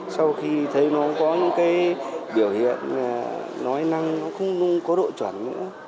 sau khi thấy nó có những biểu hiện nói năng nó không luôn có độ chuẩn nữa